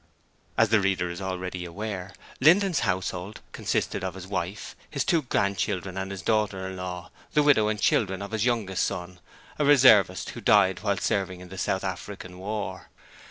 As the reader is already aware, Linden's household consisted of his wife, his two grandchildren and his daughter in law, the widow and children of his youngest son, a reservist, who died while serving in the South African War.